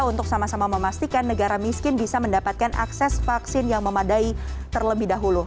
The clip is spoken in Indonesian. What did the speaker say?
untuk sama sama memastikan negara miskin bisa mendapatkan akses vaksin yang memadai terlebih dahulu